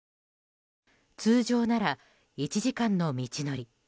通常なら１時間の道のり。